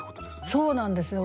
そうなんですよ。